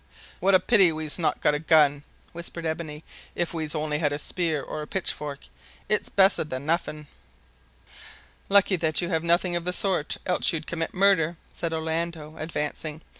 "What a pity we's not got a gun!" whispered Ebony. "If we's only had a spear or a pitchfork, it's besser than nuffin." "Lucky that you have nothing of the sort, else you'd commit murder," said Orlando, advancing.